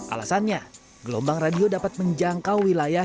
alasannya gelombang radio dapat menjangkau wilayah